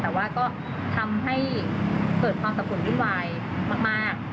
แต่ว่าก็ทำให้เกิดความสับสนวุ่นวายมาก